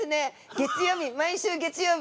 月曜日毎週月曜日。